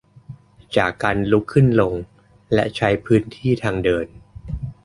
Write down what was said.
จากการลุกขึ้นลงและใช้พื้นที่ทางเดิน